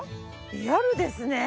リアルですね！